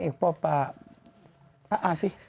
เอกปอปลาอ่าสิ